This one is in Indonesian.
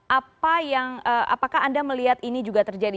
apa yang apakah anda melihat ini juga terjadi